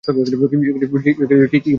কী করে বুঝলে ঢেকে নি?